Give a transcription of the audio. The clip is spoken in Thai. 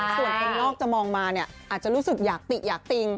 ส่วนคนนอกจะมองมาเนี่ยอาจจะรู้สึกอยากติอยากติง